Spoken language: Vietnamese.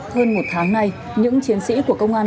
hơn một tháng nay những chiến sĩ của công an